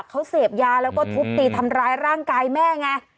เขาเสพยาแล้วก็ทุบตีทำร้ายร่างกายแม่ไง